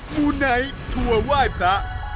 มูลไนะถัวว่าว่าพระ